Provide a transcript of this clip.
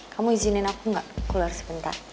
kamu izinin aku nggak keluar sebentar